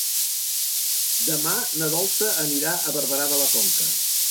Demà na Dolça anirà a Barberà de la Conca.